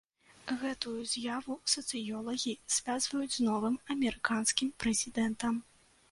Гэтую з'яву сацыёлагі звязваюць з новым амерыканскім прэзідэнтам.